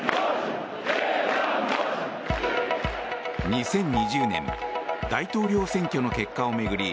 ２０２０年大統領選挙の結果を巡り